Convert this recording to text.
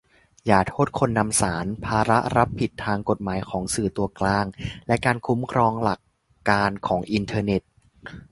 อย่าโทษคนนำสาร : ภาระรับผิดทางกฎหมายของสื่อตัวกลางและการคุ้มครองหลักการของอินเทอร์เน็ต